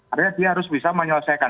artinya dia harus bisa menyelesaikan